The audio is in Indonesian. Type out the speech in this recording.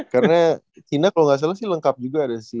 karena china kalau gak salah sih lengkap juga ada sih